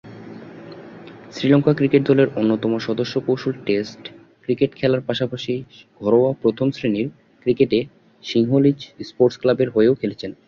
Sri Lanka cricket দলের অন্যতম সদস্য কৌশল টেস্ট ক্রিকেট খেলার পাশাপাশি ঘরোয়া প্রথম-শ্রেণীর ক্রিকেটে সিংহলীজ স্পোর্টস ক্লাবের হয়েও খেলছেন।